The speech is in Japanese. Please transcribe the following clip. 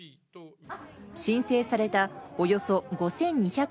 申請されたおよそ５２００